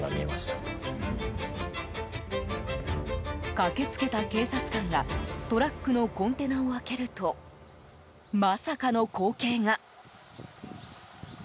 駆け付けた警察官がトラックのコンテナを開けるとまさかの光景が。